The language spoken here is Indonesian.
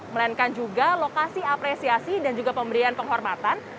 melainkan juga lokasi apresiasi dan juga pemberian penghormatan